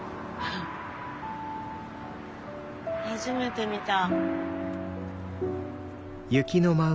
初めて見た。